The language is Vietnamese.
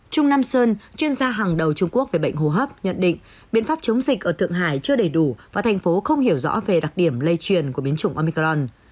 trung nam sơn chuyên gia hàng đầu trung quốc về bệnh hô hấp nhận định biện pháp chống dịch ở thượng hải chưa đầy đủ và thành phố không hiểu rõ về đặc điểm lây truyền của biến chủng omicron